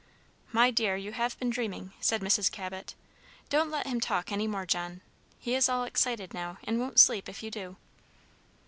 "My dear, you have been dreaming," said Mrs. Cabot. "Don't let him talk any more, John. He is all excited now, and won't sleep if you do."